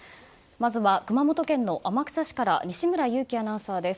まずは熊本県の天草市から西村勇気アナウンサーです。